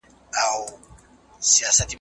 که دواړه خيرونه حاصلول ممکن نه وه.